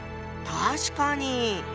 確かに。